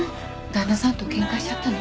旦那さんとケンカしちゃったの？